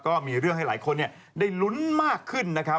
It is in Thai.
ก็มีเรื่องให้หลายคนได้ลุ้นมากขึ้นนะครับ